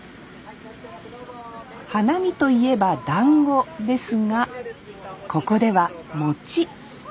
花見といえばだんごですがここでは餅。